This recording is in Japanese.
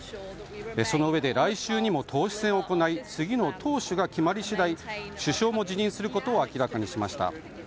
その上で、来週にも党首選を行い次の党首が決まり次第首相も辞任することを明らかにしました。